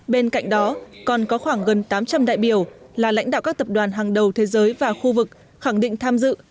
bên cạnh đó còn có khoảng gần tám trăm linh đại biểu là lãnh đạo các tập đoàn hàng đầu thế giới và khu vực khẳng định tham dự